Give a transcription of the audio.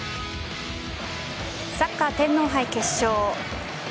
サッカー天皇杯決勝。